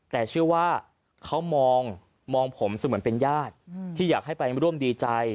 แต่เชื่อว่าเขามองผมเสมือนเป็นญาติที่อยากให้ไปร่วมดีใจ